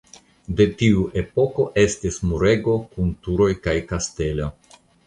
De tiu epoko estis murego kun turoj kaj kastelo.